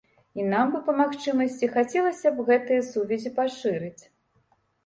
І нам бы па магчымасці хацелася б гэтыя сувязі пашырыць.